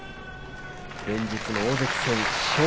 連日の大関戦です。